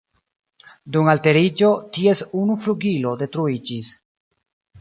Dum alteriĝo, ties unu flugilo detruiĝis.